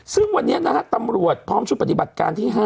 ซึ่งวันนี้นะฮะตำรวจพร้อมชุดปฏิบัติการที่๕